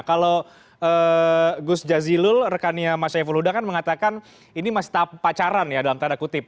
kalau gus jazilul rekannya mas syaiful huda kan mengatakan ini masih pacaran ya dalam tanda kutip